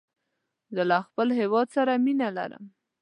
زه له خپل هېواد سره مینه لرم.